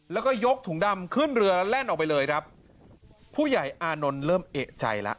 แล้วก็ยกถุงดำขึ้นเรือแล่นออกไปเลยครับผู้ใหญ่อานนท์เริ่มเอกใจแล้ว